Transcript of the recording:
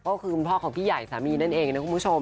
ก็คือคุณพ่อของพี่ใหญ่สามีนั่นเองนะคุณผู้ชม